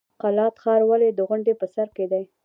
قلات ښار ولې د غونډۍ په سر دی؟